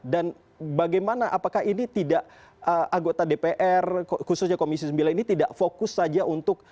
dan bagaimana apakah ini tidak anggota dpr khususnya komisi sembilan ini tidak fokus saja untuk